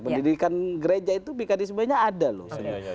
pendidikan gereja itu mekanismenya ada loh